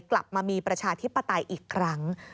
กลับมามีประชาธิปไตยอีกครั้ง